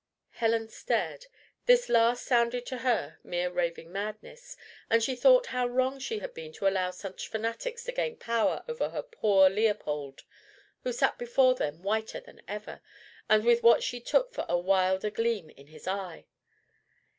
Helen stared. This last sounded to her mere raving madness, and she thought how wrong she had been to allow such fanatics to gain power over her poor Leopold who sat before them whiter than ever, and with what she took for a wilder gleam in his eye.